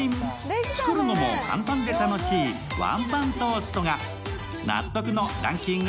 作るのも簡単で楽しいワンパントーストが納得のランキング